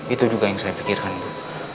itu juga yang saya pikirkan itu